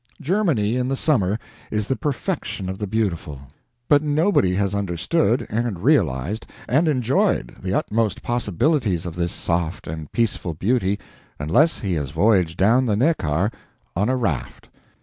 Germany, in the summer, is the perfection of the beautiful, but nobody has understood, and realized, and enjoyed the utmost possibilities of this soft and peaceful beauty unless he has voyaged down the Neckar on a raft.